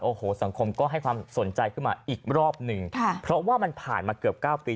โอ้โหสังคมก็ให้ความสนใจขึ้นมาอีกรอบหนึ่งค่ะเพราะว่ามันผ่านมาเกือบเก้าปี